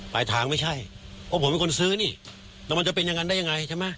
ปลายทางไม่ใช่เพราะผมเป็นคนซื้อนี่แล้วมันจะเป็นอย่างนั้นได้ยังไงใช่ไหม